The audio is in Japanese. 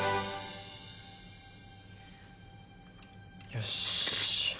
よし！